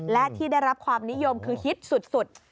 และที่ได้รับความนิยมคือฮิตสุด